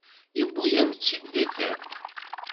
Yewwi-yam-tt-id di tiṭ.